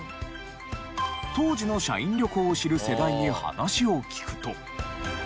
当時の社員旅行を知る世代に話を聞くと。